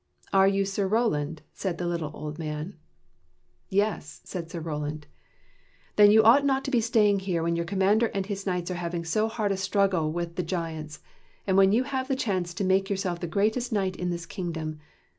" Are you Sir Roland? " said the little old man. "Yes," said Sir Roland. " Then you ought not to be staying here when your commander and his knights are having so hard a struggle with the giants, and when you have the chance to make of yourself the greatest knight in this kingdom.